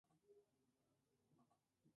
Está ubicada entre Santa Lucía y Granada.